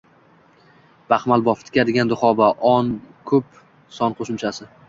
Baxmalbof - «tikadigan duxobo»; -on-ko‘plik son qo‘shimchasi.